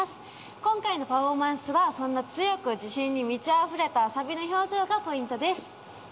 今回のパフォーマンスは、そんな強く自信に満ちあふれたさびの表情がポイントです。